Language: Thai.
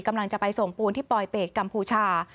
กำลังจะไปส่งปูนที่ปลอยเป็ดกัมพูชา